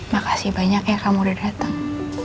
makasih banyak ya kamu udah datang